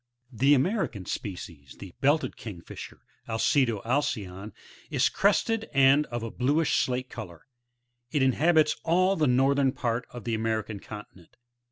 The American species, the Belted Kingfisher, — Alcedo alcyon, — is crested, and of a bluish slate colour; it inhabits all the northera part of the American continent.